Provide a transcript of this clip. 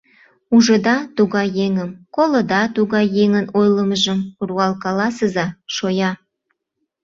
Ужыда тугай еҥым, колыда тугай еҥын ойлымыжым — руал каласыза: шоя!